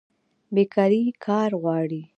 بیکاري کار غواړي